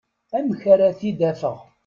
Amek ara t-id-afeɣ?